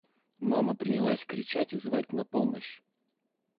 Мама принялась кричать и звать на помощь.